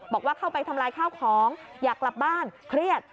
บอกว่าเข้าไปทำลายข้าวของอยากกลับบ้านเครียด